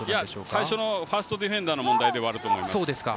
最初のファーストディフェンダーの問題だと思います。